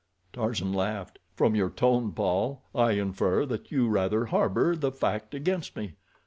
Tarzan laughed. "From your tone, Paul, I infer that you rather harbor the fact against me.